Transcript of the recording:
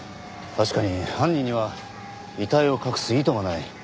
確かに犯人には遺体を隠す意図がない。